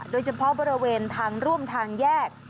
โดยเฉพาะบริเวณทางร่วมทางแยก